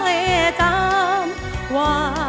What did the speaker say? แต่เหตุฉันไหนใจยังไม่จำ